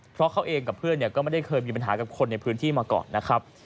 เพราะเขาเองกับเพื่อนก็ไม่ได้เคยมีปัญหากับคนในพื้นที่มาก่อนนะครับ